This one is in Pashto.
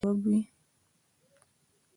لمسی د خندا سبب وي.